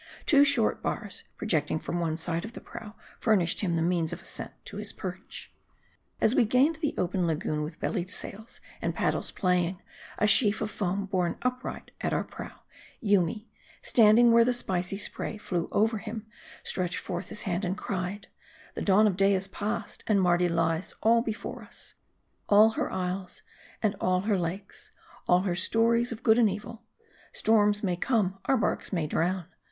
Two short bars, pro 236 M A R D I. jecting from one side of the prow, furnished him the means of ascent to his perch. As we gained the open lagoon with bellied sails, and paddles playing, a sheaf of foam borne upright at our prow ; Yoomy, standing where the spicy spray flew over him, stretched forth his hand and cried " The dawn of day is passed, and Mardi lies all before us : all her isles, and all her lakes ; all her stores of good and evil. Storms may come, our barks may drown.